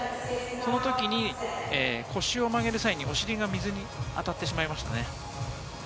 その時に腰を曲げる際にお尻が水に当たってしまいましたね。